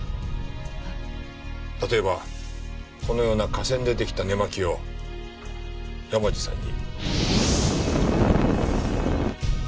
例えばこのような化繊で出来た寝間着を山路さんに。